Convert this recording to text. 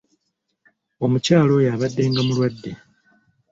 Omukyala oyo abaddenga mulwadde.